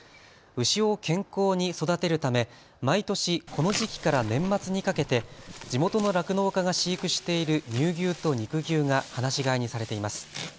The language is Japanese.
牛を健康に育てるため毎年この時期から年末にかけて地元の酪農家が飼育している乳牛と肉牛が放し飼いにされています。